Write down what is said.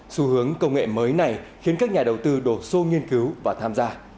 xu hướng công nghệ mới này khiến các nhà đầu tư đổ xô nghiên cứu và tham gia